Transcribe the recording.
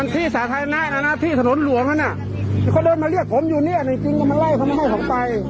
พอจะเดาออกไหมปัญหามันลักษณะแบบไหน